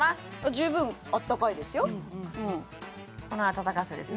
十分あったかいですよ